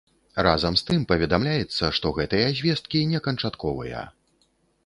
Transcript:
Разам з тым паведамляецца, што гэтыя звесткі не канчатковыя.